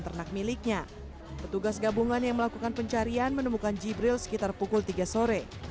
ternak miliknya petugas gabungan yang melakukan pencarian menemukan jibril sekitar pukul tiga sore